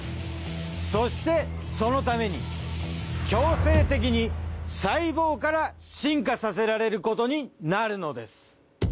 そしてそのために強制的に細胞から進化させられることになるのです。